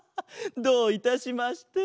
どういたしまして。